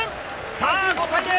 さあ、５対０。